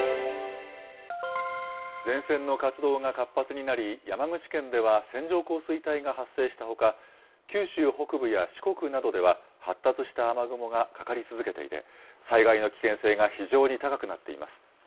前線の活動が活発になり、山口県では線状降水帯が発生したほか、九州北部や四国などでは、発達した雨雲がかかり続けていて、災害の危険性が非常に高くなっています。